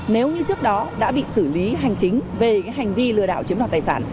nếu như trước đó đã bị xử lý hành chính về hành vi lừa đảo chiếm đoạt tài sản